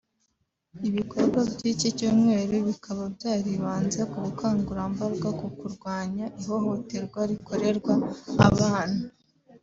Ibikorwa by’iki cyumweru bikaba byaribanze ku bukangurambaga ku kurwanya ihohoterwa rikorerwa abana